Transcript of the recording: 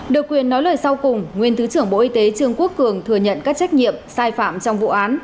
được quyền nói lời sau cùng nguyên thứ trưởng bộ y tế trương quốc cường thừa nhận các trách nhiệm sai phạm trong vụ án